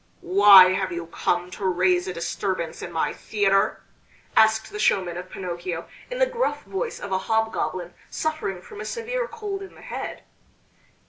"Why have you come to raise a disturbance in my theater?" asked the showman of Pinocchio in the gruff voice of a hob goblin suffering from a severe cold in the head.